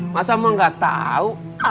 masa emak enggak tahu